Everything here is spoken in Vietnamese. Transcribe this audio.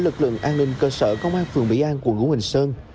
là lực lượng an ninh cơ sở công an phường mỹ an của nguồn huỳnh sơn